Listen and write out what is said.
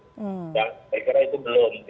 saya kira itu belum